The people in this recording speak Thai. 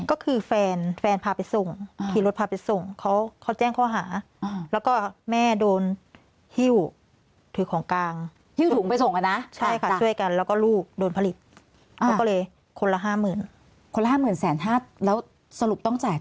ก็คือแฟนพาไปส่งขี่รถพาไปส่งเขาแจ้งเขาหา